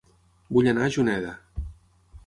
Vull anar a Juneda